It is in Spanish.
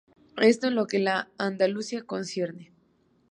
Esto en lo que a Andalucía concierne.